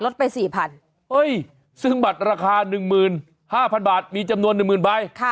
ลดไปสี่พันซึ่งบัตรราคาหนึ่งหมื่นห้าพันบาทมีจำนวนหนึ่งหมื่นใบ